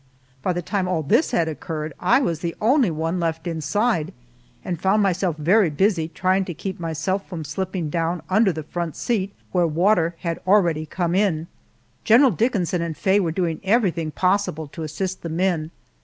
By the time all this had occurred, I was the only one left inside, and found myself very busy trying to keep myself from slipping down under the front seat, where water had already come in. General Dickinson and Faye were doing everything possible to assist the men.